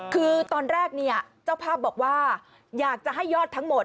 คือตอนแรกเนี่ยเจ้าภาพบอกว่าอยากจะให้ยอดทั้งหมด